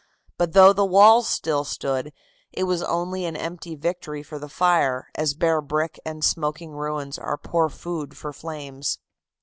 But though the walls still stood, it was only an empty victory for the fire, as bare brick and smoking ruins are poor food for flames.